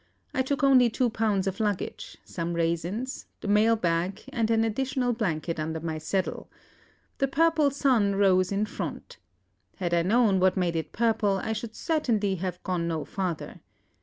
I took only two pounds of luggage, some raisins, the mail bag, and an additional blanket under my saddle.... The purple sun rose in front. Had I known what made it purple I should certainly have gone no farther.